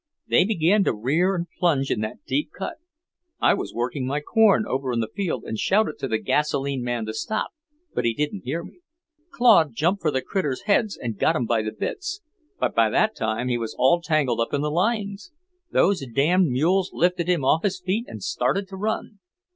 They begun to rear and plunge in that deep cut. I was working my corn over in the field and shouted to the gasoline man to stop, but he didn't hear me. Claude jumped for the critters' heads and got 'em by the bits, but by that time he was all tangled up in the lines. Those damned mules lifted him off his feet and started to run.